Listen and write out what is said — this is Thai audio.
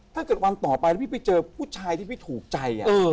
ถ้าเกิดวันต่อไปแล้วพี่ไปเจอผู้ชายที่พี่ถูกใจ